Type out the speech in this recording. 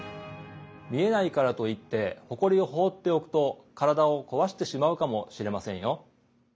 見えないからといってほこりをほうっておくと体をこわしてしまうかもしれませんよ。